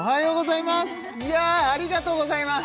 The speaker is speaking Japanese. いやあありがとうございます！